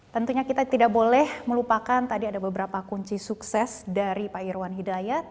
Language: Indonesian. tentunya kita tidak boleh melupakan tadi ada beberapa kunci sukses dari pak irwan hidayat